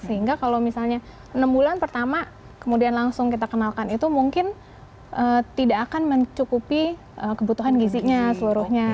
sehingga kalau misalnya enam bulan pertama kemudian langsung kita kenalkan itu mungkin tidak akan mencukupi kebutuhan gizinya seluruhnya